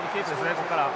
ここからは。